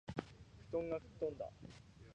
布団が吹っ飛んだ